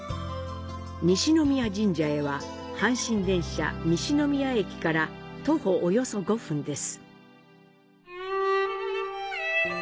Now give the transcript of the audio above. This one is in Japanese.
西宮神社へは阪神電車西宮駅から徒歩約５分です。